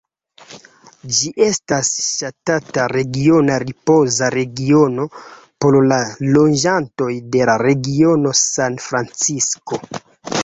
Ĝi estas ŝatata regiona ripoza regiono por la loĝantoj de la regiono San Francisko.